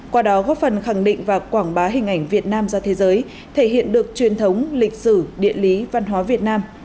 qua đó góp phần khẳng định và quảng bá hình ảnh việt nam ra thế giới thể hiện được truyền thống lịch sử địa lý văn hóa việt nam